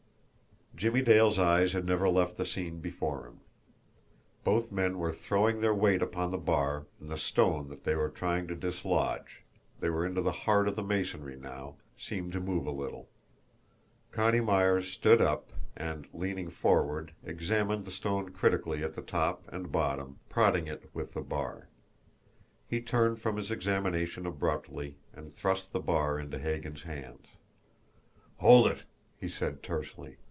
Jimmie Dale's eyes had never left the scene before him. Both men were throwing their weight upon the bar, and the stone that they were trying to dislodge they were into the heart of the masonry now seemed to move a little. Connie Myers stood up, and, leaning forward, examined the stone critically at top and bottom, prodding it with the bar. He turned from his examination abruptly, and thrust the bar into Hagan's hands. "Hold it!" he said tersely.